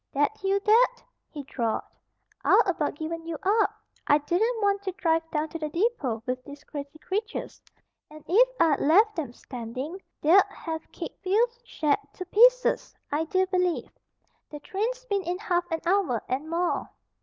"That you, Dad?" he drawled. "I'd about given you up. I didn't want to drive down to the depot with these crazy creatures. And if I'd left 'em standing they'd have kicked Phil's shed to pieces, I do believe. The train's been in half an hour and more."